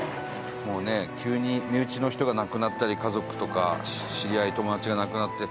もうね急に身内の人が亡くなったり家族とか知り合い友達が亡くなって。